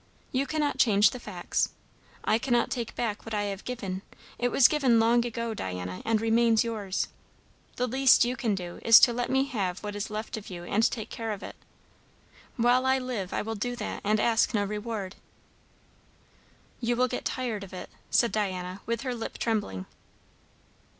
You cannot change the facts. I cannot take back what I have given; it was given long ago, Diana, and remains yours. The least you can do, is to let me have what is left of you and take care of it. While I live I will do that, and ask no reward." "You will get tired of it," said Diana, with her lip trembling.